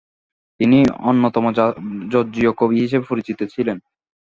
তিনি অন্যতম জর্জীয় কবি হিসেবে পরিচিত ছিলেন।